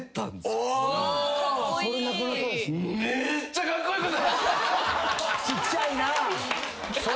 ちっちゃいな！